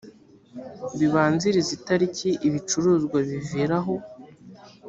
bibanziriza itariki ibicuruzwa bivira aho